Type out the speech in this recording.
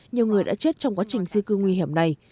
nhiều người đã chết trong quá trình di cư nguy hiểm này